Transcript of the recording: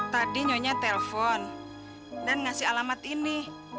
tadi nyonya telepon dan ngasih alamat ini